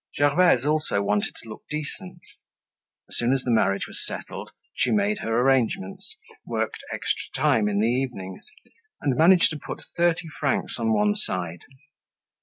Gervaise also wanted to look decent. As soon as the marriage was settled, she made her arrangements, worked extra time in the evenings, and managed to put thirty francs on one side.